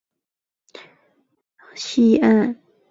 位于奥斯陆峡湾西岸。